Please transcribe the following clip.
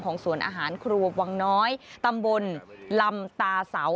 สวนอาหารครัววังน้อยตำบลลำตาเสา